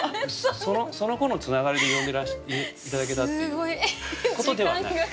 そのころのつながりで呼んで頂けたっていうことではない？